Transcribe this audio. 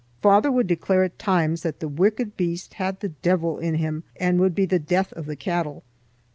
Father would declare at times that the wicked beast had the deevil in him and would be the death of the cattle.